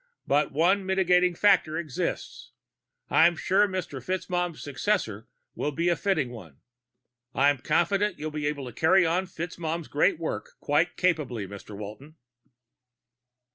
"But one mitigating factor exists. I'm sure Mr. FitzMaugham's successor will be a fitting one. I'm confident you'll be able to carry on FitzMaugham's great work quite capably, Mr. Walton."